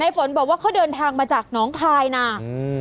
ฝนบอกว่าเขาเดินทางมาจากน้องคายน่ะอืม